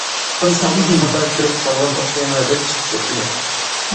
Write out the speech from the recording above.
تاس قالدىم خاتا كىرىپ قالغان ئوخشايمەن دەپ چىقىپ كەتكىلى.